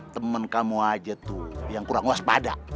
temen kamu aja tuh yang kurang waspada